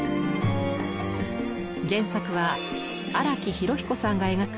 原作は荒木飛呂彦さんが描く